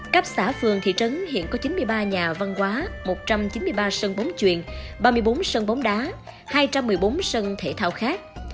cấp xã phường thị trấn hiện có chín mươi ba nhà văn hóa một trăm chín mươi ba sân bóng chuyền ba mươi bốn sân bóng đá hai trăm một mươi bốn sân thể thao khác